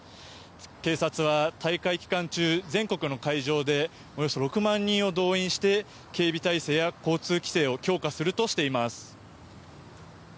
警察は大会期間中、全国の会場でおよそ６万人を動員して警備態勢や交通規制を強化するとしています。